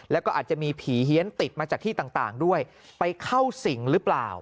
แล้วก็อาจจะมีผีเฮียนติดมาจากที่ต่างด้วยไปเข้าสิ่งหรือเปล่า